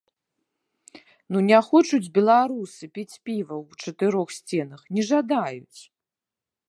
Ну не хочуць беларусы піць піва ў чатырох сценах, не жадаюць!